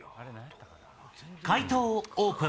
解答をオープン。